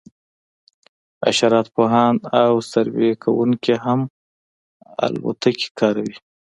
حشرات پوهان او سروې کوونکي هم الوتکې کاروي